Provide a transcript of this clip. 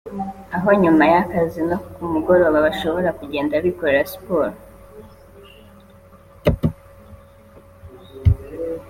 aho nyuma y’akazi no ku mugoroba bashobora kugenda bikorera siporo